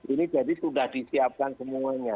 ini jadi sudah disiapkan semuanya